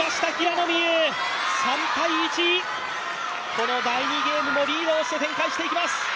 この第２ゲームをリードをして展開していきます。